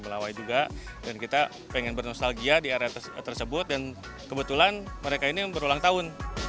melawai juga dan kita pengen bernostalgia di area tersebut dan kebetulan mereka ini berulang tahun